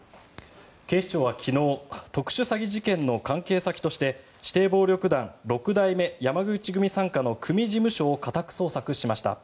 警視庁は昨日特殊詐欺事件の関係先として指定暴力団六代目山口組傘下の組事務所を家宅捜索しました。